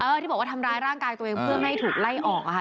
ที่บอกว่าทำร้ายร่างกายตัวเองเพื่อไม่ให้ถูกไล่ออกอะค่ะ